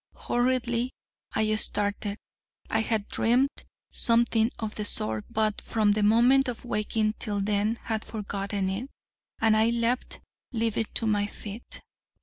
_' Horridly I started: I had dreamed something of the sort, but, from the moment of waking, till then, had forgotten it: and I leapt livid to my feet.